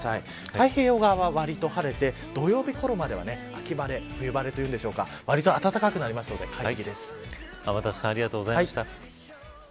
太平洋側はわりと晴れて土曜日ごろまでは秋晴れ冬晴れというんでしょうか天達さんありがとうございました。